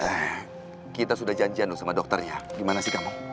eh kita sudah janjian dong sama dokternya gimana sih kamu